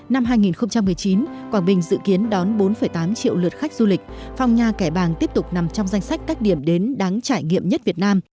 năm hai nghìn một mươi chín quảng bình dự kiến đón bốn tám triệu lượt khách du lịch phòng nhà kẻ bàng tiếp tục nằm trong danh sách các điểm đến đáng trải nghiệm nhất việt nam